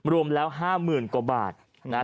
รวมแล้ว๕๐๐๐๐กว่าบาท